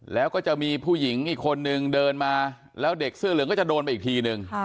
แล้วก็จะมีผู้หญิงอีกคนนึงเดินมาแล้วเด็กเสื้อเหลืองก็จะโดนไปอีกทีนึง